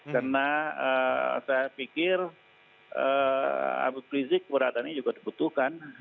karena saya pikir abid prizik keberadaannya juga diperlukan